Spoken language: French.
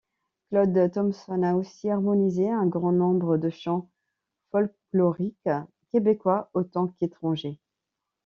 Claude Thompson a aussi harmonisé un grand nombre de chants folkloriques québécois autant qu'étrangers.